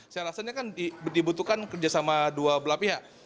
saya rasanya kan dibutuhkan kerjasama dua belah pihak